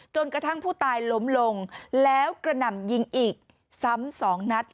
จนกระทั่งผู้ตายล้มลงแล้วกระหน่ำยิงอีกซ้ำสองนัด